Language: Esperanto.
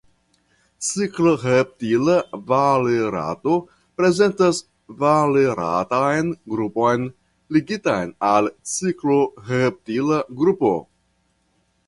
Cikloheptila valerato prezentas valeratan grupon ligitan al cikloheptilan grupo.